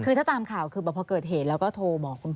คือถ้าตามข่าวคือพอเกิดเหตุแล้วก็โทรบอกคุณพ่อ